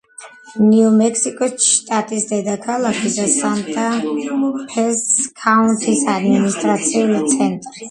ნიუ-მექსიკოს შტატის დედაქალაქი და სანტა-ფეს ქაუნთის ადმინისტრაციული ცენტრი.